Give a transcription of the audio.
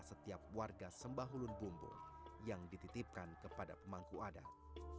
setiap warga sembahulun bumbu yang dititipkan kepada pemangku adat